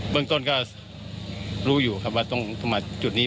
เมืองต้นก็รู้อยู่ครับว่าต้องมาจุดนี้